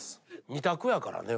２択やからね。